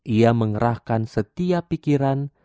ia mengerahkan setiap pikiran